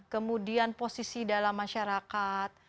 kemudian posisi dalam masyarakat